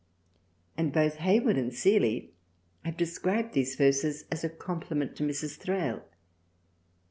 and both Hayward and Seeley have described these verses as a compliment to Mrs. Thrale.